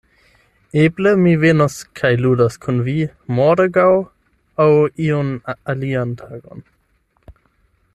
Eble mi venos kaj ludos kun vi morgaŭ aŭ iun alian tagon.